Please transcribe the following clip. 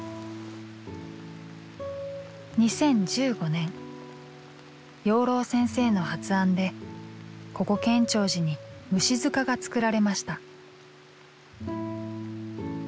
２０１５年養老先生の発案でここ建長寺に「虫塚」が作られました。